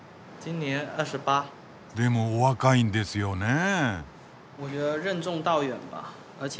でもお若いんですよねえ！